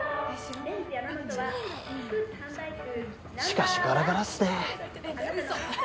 しかしガラガラっすね。